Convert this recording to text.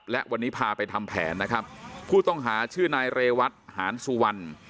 และวันนี้พาไปทำแผนนะครับผู้ต้องหาชื่อนายเรวัตหานสุวรรณ